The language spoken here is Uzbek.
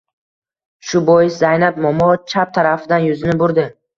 Shu bois, Zaynab momo chap tarafidan yuzini burdi.